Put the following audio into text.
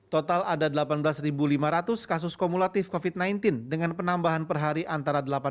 total ada delapan belas lima ratus kasus kumulatif covid sembilan belas dengan penambahan per hari antara delapan puluh